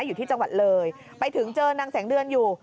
อยู่ที่จังหวัดเลยไปถึงเจอนางแสงเดือนอยู่